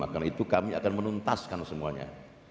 karena itu kami akan menuntaskan semuanya